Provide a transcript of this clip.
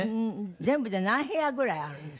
全部で何部屋ぐらいあるんですか？